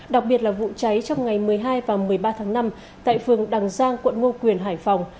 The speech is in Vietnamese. đặc biệt là vụ cháy trong ngày một mươi hai và một mươi ba tháng năm tại phường đằng giang quận ngo quyền hải phòng